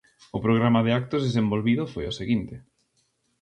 O programa de actos desenvolvido foi o seguinte.